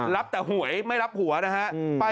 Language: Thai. รับแต่หวยไม่รับหัวนะฮะ